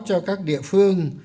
cho các địa phương